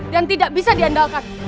dan tidak bisa diandalkan